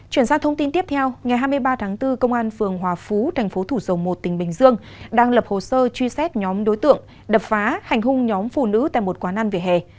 chuyển sang thông tin tiếp theo ngày hai mươi ba tháng bốn công an phường hòa phú tp thủ dầu một tỉnh bình dương đang lập hồ sơ truy xét nhóm đối tượng đập phá hành hung nhóm phụ nữ tại một quán ăn vỉa hè